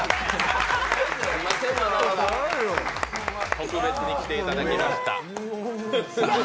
特別に来ていただきました。